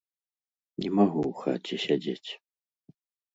Не магу ў хаце сядзець.